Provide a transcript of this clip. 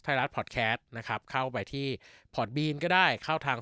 ไทยรัฐพอร์ตแคสต์นะครับเข้าไปที่พอร์ตบีนก็ได้เข้าทาง